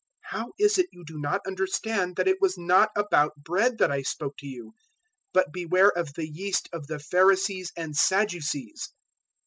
016:011 How is it you do not understand that it was not about bread that I spoke to you? But beware of the yeast of the Pharisees and Sadducees."